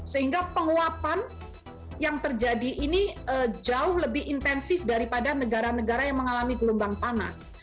sehingga penguapan yang terjadi ini jauh lebih intensif daripada negara negara yang mengalami gelombang panas